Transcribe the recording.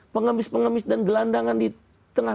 pengamis pengamis dan gelandangan di tengah